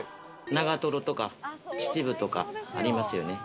長瀞とか秩父とかありますよね。